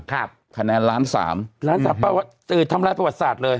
คะแนนล้านสามล้านสามทำลายประวัติศาสตร์เลย